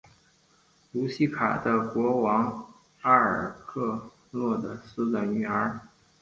瑙西卡的国王阿尔喀诺俄斯的女儿。